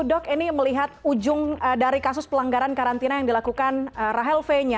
dok ini melihat ujung dari kasus pelanggaran karantina yang dilakukan rahel v nya